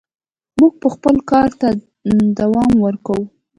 موږ به خپل کار ته دوام ورکوو.